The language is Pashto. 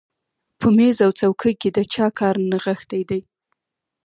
په مېز او څوکۍ کې د چا کار نغښتی دی